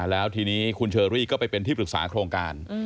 แล้วทีนี้คุณเชอรี่ก็ไปเป็นที่ปรึกษาโครงการ